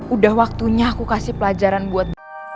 udah waktunya aku kasih pelajaran buat